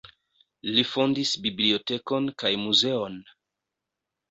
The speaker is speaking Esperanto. Li fondis bibliotekon kaj muzeon.